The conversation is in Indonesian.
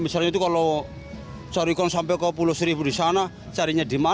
misalnya itu kalau carikan sampai ke pulau seribu di sana carinya di mana